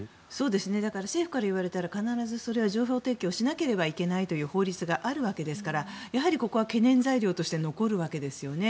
だから政府から言われたら必ずそれは情報提供しなければいけないという法律があるわけですからやはり、ここは懸念材料として残るわけですよね。